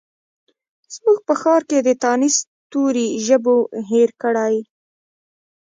زموږ په ښارکې د تانیث توري ژبو هیر کړي